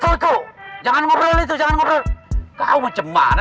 keren keren ini baru bagus semangat semua